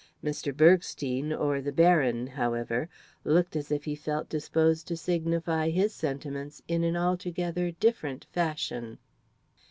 Mr. Bergstein, or the "Baron," however, looked as if he felt disposed to signify his sentiments in an altogether different fashion.